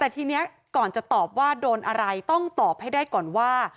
แต่ทีนี้ก่อนจะตอบว่าโดนอะไรต้องตอบให้ได้ก่อนว่า